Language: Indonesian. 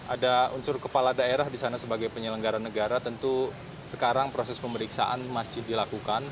ada unsur kepala daerah di sana sebagai penyelenggara negara tentu sekarang proses pemeriksaan masih dilakukan